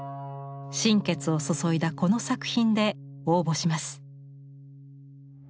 心血を注いだこの作品で応募します。